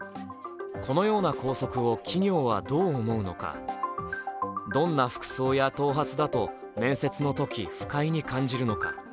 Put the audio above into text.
このような校則を企業はどう思うのか、どんな服装や頭髪だと面接のとき不快に感じるのか。